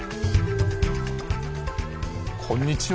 こんにちは。